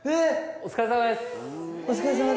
お疲れさまです。